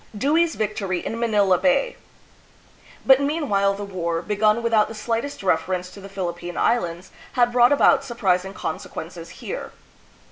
Dewey's Yictory in Manila Bay. But meanwhile the war, begun without the slightest reference to the Philippine Islands, had brought about surprising conse quences here.